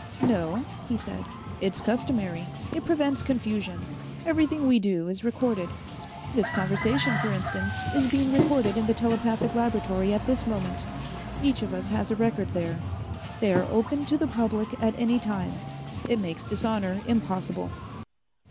"No," he said, "it's customary. It prevents confusion. Everything we do is recorded. This conversation, for instance, is being recorded in the telepathic laboratory at this moment each of us has a record there. They are open to the public at any time. It makes dishonor impossible."